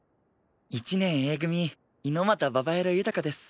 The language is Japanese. １年Ａ組猪俣ババヤロ豊です。